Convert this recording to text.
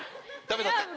ダメだった？